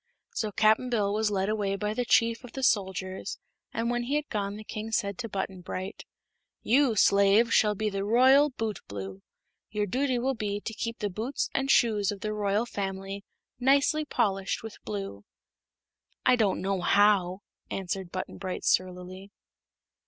So Cap'n Bill was led away by the chief of the soldiers, and when he had gone the king said to Button Bright: "You, slave, shall be the Royal Bootblue. Your duty will be to keep the boots and shoes of the royal family nicely polished with blue." "I don't know how," answered Button Bright, surlily.